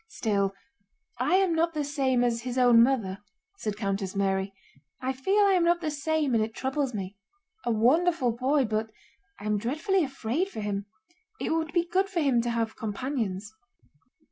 "Still, I am not the same as his own mother," said Countess Mary. "I feel I am not the same and it troubles me. A wonderful boy, but I am dreadfully afraid for him. It would be good for him to have companions."